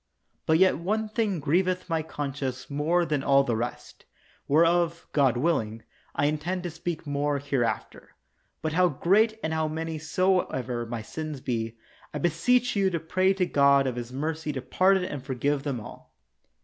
But yet one thing grieveth my conscience more than all the rest, whereof, God willing, I intend to speak more hereafter. But how great and how many soever my sins be, I beseech you to pray to God of His mercy to pardon and forgive them all.